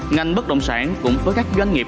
ngành bất động sản cũng với các doanh nghiệp